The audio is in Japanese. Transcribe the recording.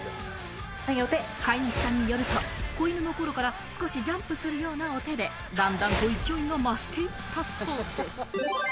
飼い主さんによると子犬の頃から少しジャンプするような、お手で段々と勢いが増していったそうです。